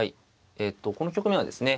えっとこの局面はですね